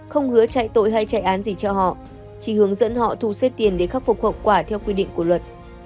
không hứa chạy tội hay chạy án gì cho họ chỉ hướng dẫn họ thu xếp tiền để khắc phục hậu quả theo quy định của luật